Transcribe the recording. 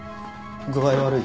具合悪い？